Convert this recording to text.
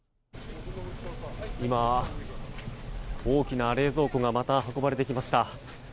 今、大きな冷蔵庫がまた運ばれてきました。